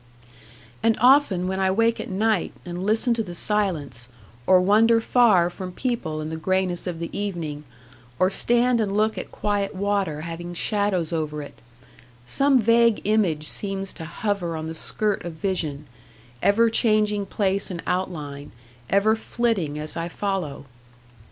'And often when I wake at night, and listen to the silence, or wander far from people in the grayness of the evening, or stand and look at quiet water having shadows over it, some vague image seems to hover on the skirt of vision, ever changing place and outline, ever flitting as I follow.